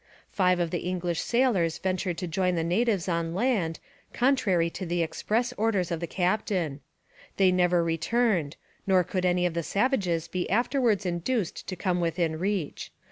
Five of the English sailors ventured to join the natives on land, contrary to the express orders of the captain. They never returned, nor could any of the savages be afterwards induced to come within reach.